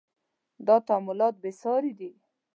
• دا تعاملات بې ساري دي.